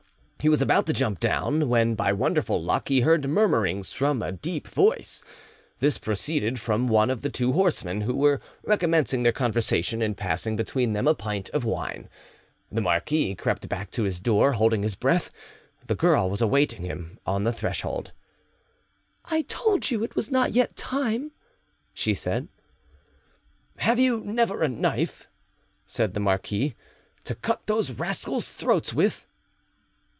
He was about to jump down, when by wonderful luck he heard murmurings from a deep voice. This proceeded from one of two horsemen, who were recommencing their conversation and passing between them a pint of wine. The marquis crept back to his door, holding his breath: the girl was awaiting him on the threshold. "I told you it was not yet time," said she. "Have you never a knife," said the marquis, "to cut those rascals' throats with?"